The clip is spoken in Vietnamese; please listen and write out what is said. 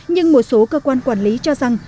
nhưng một số cơ quan quản lý cho rằng